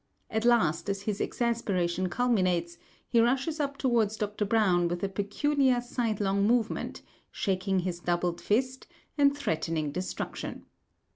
At last, as his exasperation culminates, he rushes up towards Dr. Browne with a peculiar sidelong movement, shaking his doubled fist, and threatening destruction.